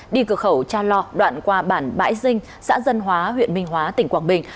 đi cửa khẩu cha lo đoạn qua bản bãi dinh xã dân hóa huyện minh hóa tỉnh quảng bình